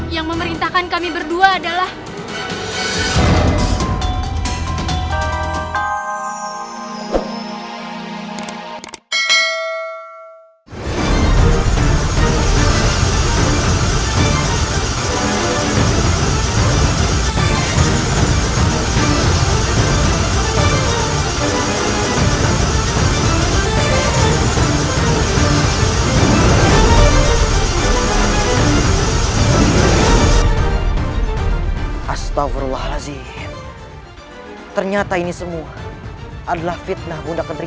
yang memerintahkan kami berdua adalah